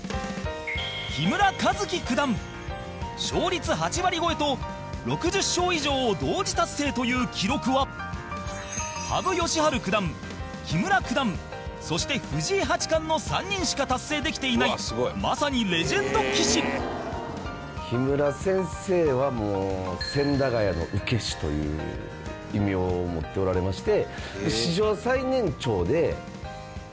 木村一基九段勝率８割超えと６０勝以上を同時達成という記録は羽生善治九段、木村九段そして、藤井八冠の３人しか達成できていないまさにレジェンド棋士高橋：木村先生は千駄ヶ谷の受け師という異名を持っておられまして。